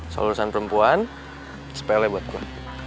seolah olahan perempuan sepele buat gue